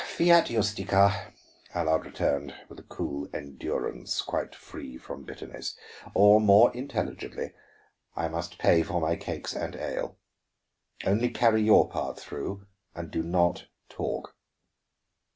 "Fiat justicia," Allard returned, with a cool endurance quite free from bitterness. "Or, more intelligibly, I must pay for my cakes and ale. Only carry your part through, and do not talk."